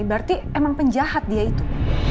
berarti emang penjahat dia itu